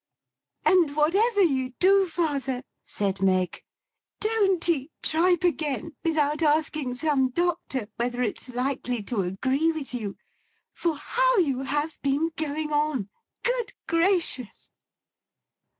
'And whatever you do, father,' said Meg, 'don't eat tripe again, without asking some doctor whether it's likely to agree with you; for how you have been going on, Good gracious!